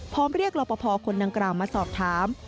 พร้อมเรียกรอปภคนนางกราวมาสอบถาม